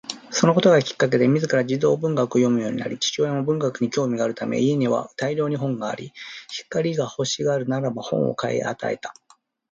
そのことがきっかけで自ら児童文学を読むようになり、父親も文学に興味があるため家には大量に本があり、光が欲しがるならば本を買い与えた